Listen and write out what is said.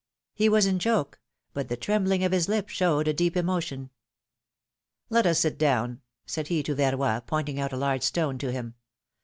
He was in joke, but the trembling of his lips showed a deep emotion. ^^Let us sit down," said he to Verroy, pointing out a large stone to him.